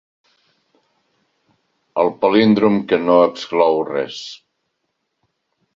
El palíndrom que no exclou res.